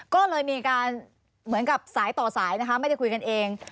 ก็เลยมีการเหมือนกับสายต่อสายนะคะไม่ได้คุยกันเอง